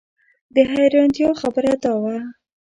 د حیرانتیا خبره دا وه.